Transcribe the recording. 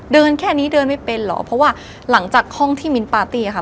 แค่นี้เดินไม่เป็นเหรอเพราะว่าหลังจากห้องที่มิ้นปาร์ตี้ค่ะ